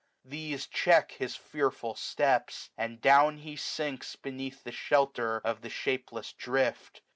These check his fearful steps; and down he sinks 305 Beneath the shelter of the shapeless drift.